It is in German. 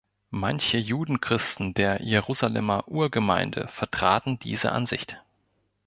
Manche Judenchristen der Jerusalemer Urgemeinde vertraten diese Ansicht.